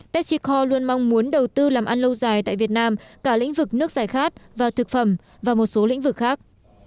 pepsico luôn mong muốn đầu tư làm ăn lâu dài tại việt nam cả lĩnh vực nước giải khát và thực phẩm và một số lĩnh vực khác